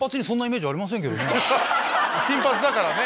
金髪だからね。